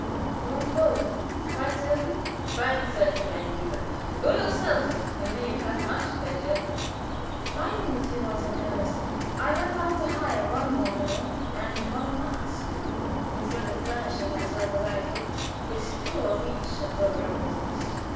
"You won't go quite certain?" "Quite certain, mein lieber. Go yourself, and may you have much pleasure." Finding that he was in earnest, I went out to hire one domino and purchase one mask, instead of furnishing myself, as I had hoped, with two of each of those requisites.